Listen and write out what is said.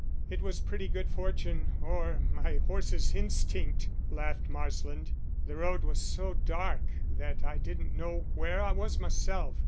"It was purely good fortune, or my horse's instinct," laughed Marsland. "The road was so dark that I didn't know where I was myself.